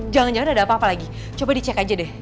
jangan jangan ada apa apa lagi coba dicek aja deh